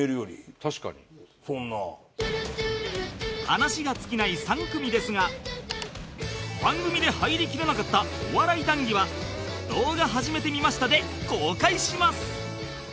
話が尽きない３組ですが番組で入りきらなかったお笑い談義は「動画、はじめてみました」で公開します